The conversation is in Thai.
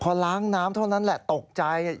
พอล้างน้ำเท่านั้นแหละตกใจ